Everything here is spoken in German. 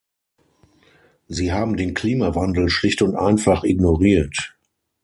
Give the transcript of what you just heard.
Sie haben den Klimawandel schlicht und einfach ignoriert.